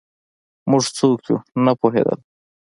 موږ څوک یو نه پوهېدل